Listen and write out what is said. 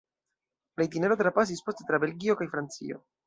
La itinero trapasis poste tra Belgio kaj Francio.